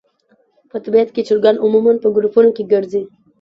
په طبیعت کې چرګان عموماً په ګروپونو کې ګرځي.